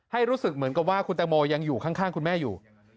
รู้สึกเหมือนกับว่าคุณตังโมยังอยู่ข้างคุณแม่อยู่